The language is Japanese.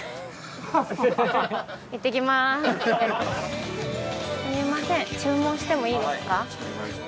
すみません注文してもいいですか。